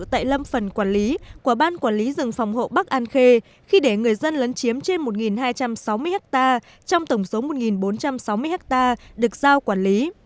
tại lâm phần quản lý của ban quản lý rừng phòng hộ bắc an khê khi để người dân lấn chiếm trên một hai trăm sáu mươi ha trong tổng số một bốn trăm sáu mươi ha được giao quản lý